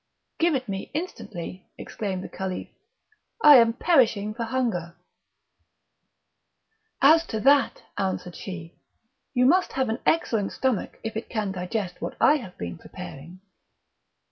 "Give it me instantly," exclaimed the Caliph; "I am perishing for hunger!" "As to that," answered she, "you must have an excellent stomach if it can digest what I have been preparing."